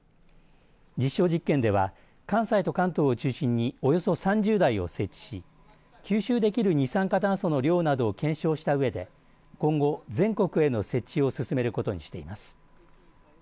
実証実験では関西と関東を中心におよそ３０台を設置し吸収できる二酸化炭素の量などを検証したうえで今後、全国への設置を進めることにしています。